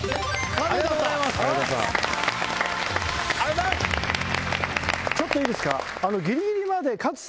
ありがとうございます！